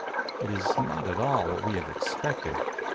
It is not at all what we have expected.